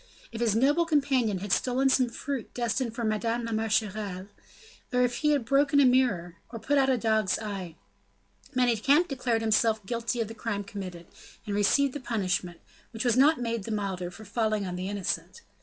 If his noble companion had stolen some fruit destined for Madame la Marechale, if he had broken a mirror, or put out a dog's eye, Manicamp declared himself guilty of the crime committed, and received the punishment, which was not made the milder for falling on the innocent.